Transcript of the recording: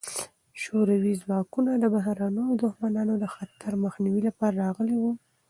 شوروي ځواکونه د بهرنیو دښمنانو د خطر د مخنیوي لپاره راغلي وو.